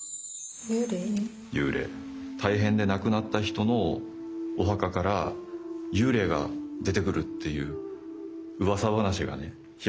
大変で亡くなった人のお墓から幽霊が出てくるっていううわさ話がね広がってね